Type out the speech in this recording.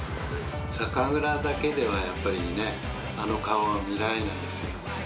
酒蔵だけではやっぱりね、あの顔は見られないですよね。